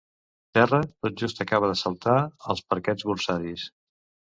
Terra tot just acaba de saltar als parquets borsaris.